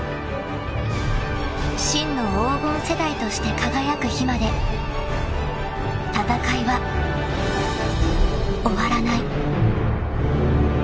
［真の黄金世代として輝く日まで戦いは終わらない］